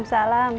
baik siapa name lu